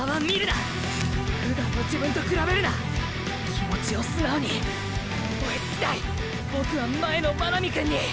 気持ちを素直に追いつきたいボクは前の真波くんに！！